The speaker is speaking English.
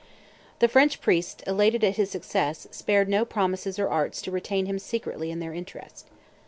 The French priests, elated at his success, spared no promises or arts to retain him secretly in their interest.